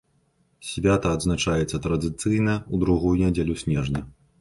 Свята адзначаецца традыцыйна ў другую нядзелю снежня.